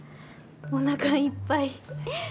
おなかいっぱい。